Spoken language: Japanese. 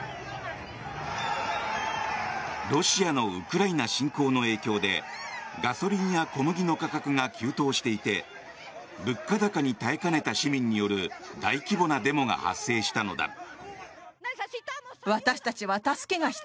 ロシアのウクライナ侵攻の影響でガソリンや小麦の価格が急騰していて物価高に耐えかねた市民による大規模なデモが発生したのだ。